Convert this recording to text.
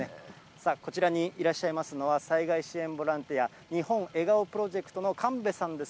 さあ、こちらにいらっしゃいますのは、災害支援ボランティア、日本笑顔プロジェクトの神戸さんです。